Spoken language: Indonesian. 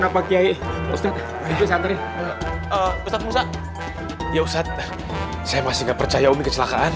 pak yai ustadz saya masih nggak percaya umi kecelakaan